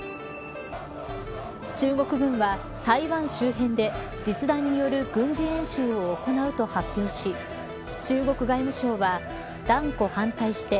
中国軍は台湾周辺で実弾による軍事演習を行うと発表し中国外務省は断固反対して